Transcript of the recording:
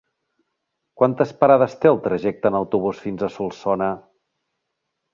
Quantes parades té el trajecte en autobús fins a Solsona?